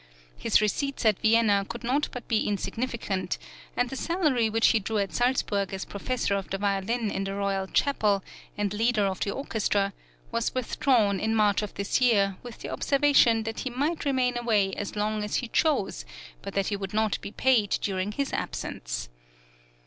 His receipts at Vienna could not but be insignificant, and the salary which he drew at Salzburg as professor of the violin in the Royal Chapel, and leader of the orchestra, was withdrawn in March of this year with the observation that he might remain away as long as he chose, but that he would not be paid during his absence.